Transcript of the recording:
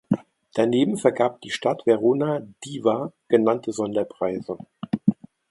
Daneben vergab die Stadt Verona "Diva" genannte Sonderpreise.